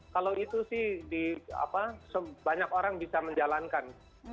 kalau itu sih banyak orang bisa menjalankan